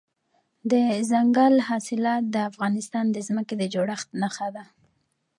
دځنګل حاصلات د افغانستان د ځمکې د جوړښت نښه ده.